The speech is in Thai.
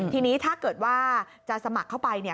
ทีนี้ถ้าเกิดว่าจะสมัครเข้าไปเนี่ย